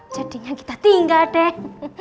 jadinya kita tinggal deh